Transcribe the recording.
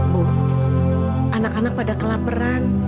bu anak anak pada kelaperan